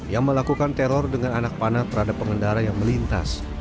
yang melakukan teror dengan anak panah terhadap pengendara yang melintas